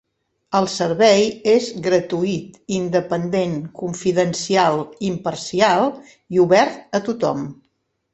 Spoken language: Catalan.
El servei és gratuït, independent, confidencial, imparcial i obert a tothom.